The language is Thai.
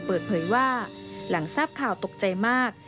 เปิดเผยว่าหลังทราบข่าวตกใจมาก